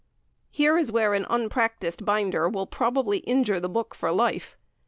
Here is where an unpractised binder will probably injure a book for life.